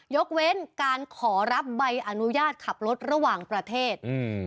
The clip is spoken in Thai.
ยกเว้นการขอรับใบอนุญาตขับรถระหว่างประเทศอืม